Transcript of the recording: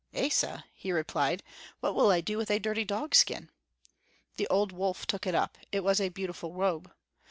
"Esa," he replied, "what will I do with a dirty dogskin?" The old wolf took it up; it was a beautiful robe.